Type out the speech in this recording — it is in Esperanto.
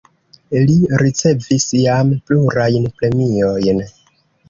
Li ricevis jam plurajn premiojn.